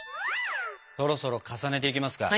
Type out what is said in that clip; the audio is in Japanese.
そろそろ重ねていきますか？